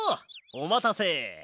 おまたせ！